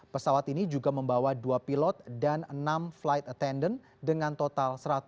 pesawat ini juga membawa dua pilot dan enam flight attendant dengan total satu ratus lima puluh